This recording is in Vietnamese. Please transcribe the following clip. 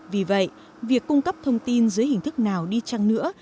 vì vậy việc cung cấp thông tin dưới hình thức nào đi chăng nữa